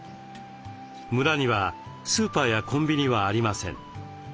村にはスーパーやコンビニはありません。